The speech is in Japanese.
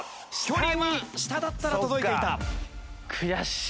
距離は下だったら届いていた。